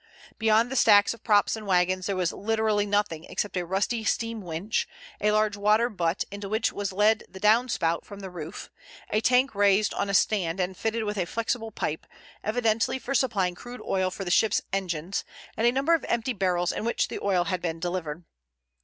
Beyond the stacks of props and wagons there was literally nothing except a rusty steam winch, a large water butt into which was led the down spout from the roof, a tank raised on a stand and fitted with a flexible pipe, evidently for supplying crude oil for the ship's engines, and a number of empty barrels in which the oil had been delivered.